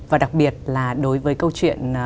và đặc biệt là đối với câu chuyện